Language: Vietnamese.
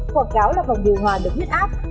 quảng cáo là vòng điều hòa được huyết áp